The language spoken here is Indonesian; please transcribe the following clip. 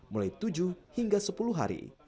mulai tujuh hingga sepuluh hari